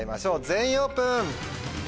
全員オープン！